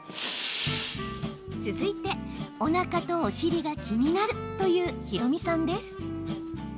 続いておなかとお尻が気になるというひろみさんです。